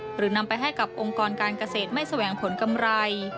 หรือนำไปให้กับองค์กรการเกษตรไม่แสวงผลกำไร